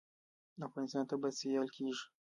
افغانستان به سیال کیږي